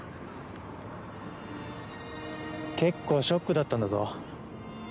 結構ショックだったんだぞ。